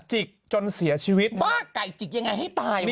จิกจนเสียชีวิตบ้าไก่จิกยังไงให้ตายว